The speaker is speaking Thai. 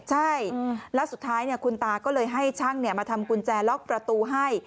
ใช่แล้วสุดท้ายคุณตาก็เลยให้ช่างมาทำกุญแจล็อกประตูให้